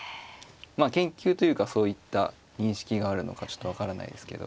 まあ研究というかそういった認識があるのかちょっと分からないですけど。